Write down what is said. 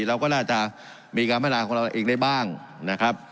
เราก็น่าจะมีการพัฒนาของเราเองได้บ้างนะครับ